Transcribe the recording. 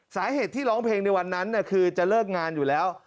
สาเหตุที่ร้องเพลงในวันนั้นคือจะเลิกงานอยู่แล้ว